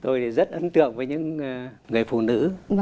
tôi thì rất ấn tượng với những người phụ nữ